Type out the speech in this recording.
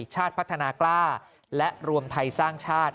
ชาติพัฒนากล้าและรวมไทยสร้างชาติ